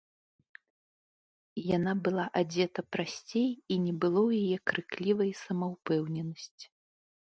Яна была адзета прасцей, і не было ў яе крыклівай самаўпэўненасці.